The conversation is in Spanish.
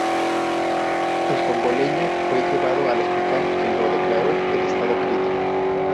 El congoleño fue llevado al hospital que lo declaró en estado crítico.